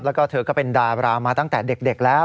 แล้วก็เธอก็เป็นดารามาตั้งแต่เด็กแล้ว